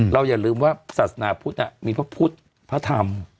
อย่าลืมว่าศาสนาพุทธมีพระพุทธพระธรรม